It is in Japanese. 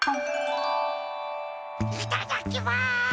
いただきます！